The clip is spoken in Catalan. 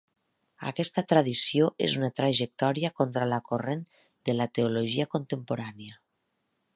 Aquesta tradició es una trajectòria contra la corrent de la teologia contemporània.